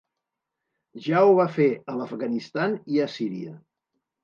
Ja ho va fer a l’Afganistan i a Síria.